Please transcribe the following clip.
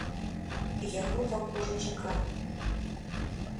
Яго там ужо чакалі.